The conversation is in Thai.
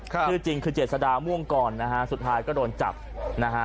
ชื่อจริงคือเจษดาม่วงกรนะฮะสุดท้ายก็โดนจับนะฮะ